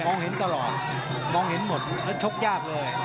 มองเห็นตลอดมองเห็นหมดชกยากเลย